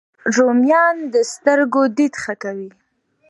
رومیان د سترګو دید ښه کوي